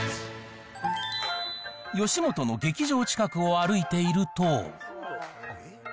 よしもとの劇場近くを歩いていると。